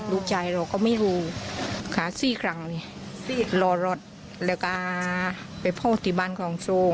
ผมไปพ่อที่บ้านของทรง